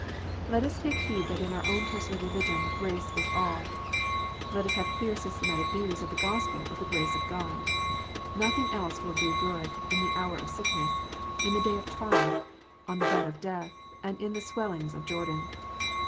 Let us take heed that in our own personal religion, grace is alL Let us have clear systematic views of the Gospel of the grace of God. Nothing else will do good in the hour of sick ness, in the day of trial, on the bed of death, and in the swellings of Jordan.